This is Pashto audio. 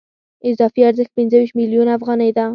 اضافي ارزښت پنځه ویشت میلیونه افغانۍ دی